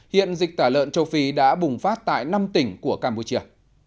hiện dịch tả lợn châu phi đã bùng phát tại năm tỉnh của campuchia